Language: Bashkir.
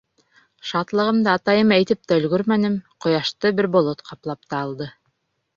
Шатлығымды атайыма әйтеп тә өлгөрмәнем, ҡояшты бер болот ҡаплап та алды.